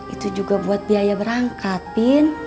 itu juga buat biaya berangkat pin